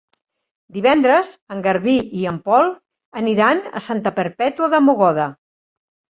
Divendres en Garbí i en Pol aniran a Santa Perpètua de Mogoda.